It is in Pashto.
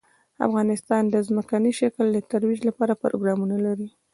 افغانستان د ځمکنی شکل د ترویج لپاره پروګرامونه لري.